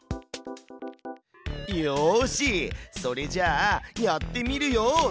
よしそれじゃあやってみるよ。